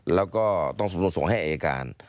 แล้วก็ต้องส่งให้ทหาร